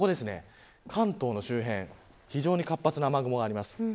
ここです関東の周辺非常に活発な雨雲があります。